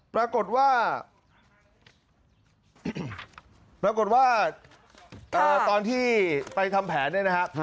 ปรากฏว่าปรากฏว่าตอนที่ไปทำแผนเนี่ยนะฮะ